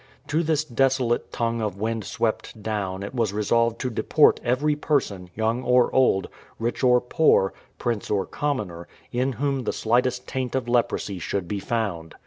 "' To this desolate tongue of wind swept down it was resolved to deport every person, young or old, rich or poor, prince or commoner, in whom the slightest taint of leprosy should be found.